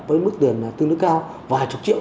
với mức tiền tương đối cao vài chục triệu